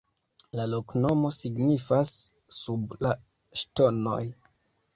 La loknomo signifas: "sub la ŝtonoj".